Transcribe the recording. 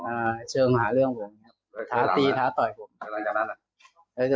อ่าเชิงหาเรื่องผมเนี้ยท้าตีท้าต่อยผมแล้วหลังจากนั้นอ่ะ